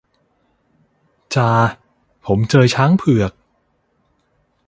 จ่า ผมเจอช้างเผือก